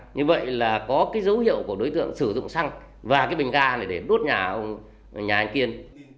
như vậy là có dấu hiệu của đối tượng sử dụng xăng và bình ga để đốt nhà anh kiên